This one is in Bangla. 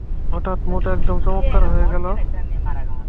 হঠাৎ, মুড একদম চমৎকার হয়ে গেল।